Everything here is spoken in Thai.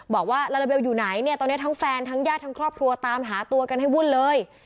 บอกว่าลาลาเบลอยู่ไหนเนี่ยตอนนี้ทั้งแฟนทั้งญาติทั้งครอบครัวตามหาตัวกันให้วุ่นเลย